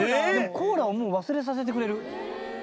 コーラをもう忘れさせてくれる。